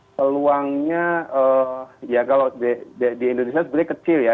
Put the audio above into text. peluangnya ya kalau di indonesia sebenarnya kecil ya